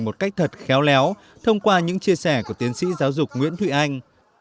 một cách thật khéo léo thông qua những chia sẻ của tiến sĩ giáo dục nguyễn thụy anh